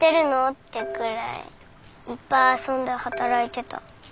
ってくらいいっぱい遊んで働いてた。